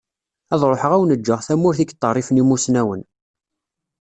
Ad ruḥeγ ad awen-ğğeγ tamurt i yeṭṭerrifen imusnawen.